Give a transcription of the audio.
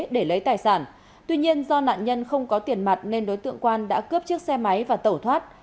để lấy tài sản tuy nhiên do nạn nhân không có tiền mặt nên đối tượng quan đã cướp chiếc xe máy và tẩu thoát